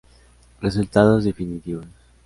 Resultados definitivos